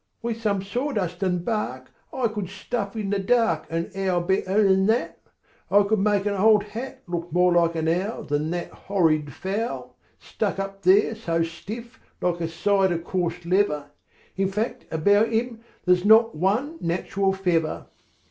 "With some sawdust and bark I could stuff in the dark An owl better than that. I could make an old hat Look more like an owl Than that horrid fowl, Stuck up there so stiff like a side of coarse leather. In fact, about him there's not one natural feather."